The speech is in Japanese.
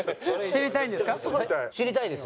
知りたいですよ。